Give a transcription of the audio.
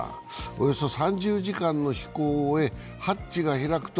およそ３０時間の飛行を終え、ハッチが開くと